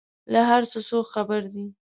له هر څه څوک خبر دي؟